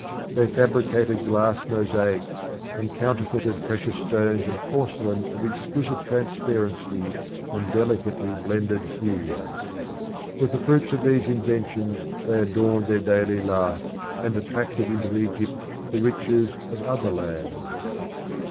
They fabricated glass mosaics, and counterfeited precious stones and porcelain of exquisite transparency and delicately blended hues. With the fruits of these inventions they adorned their daily life, and attracted into Egypt the riches of other lands.